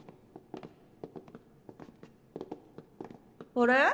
あれ？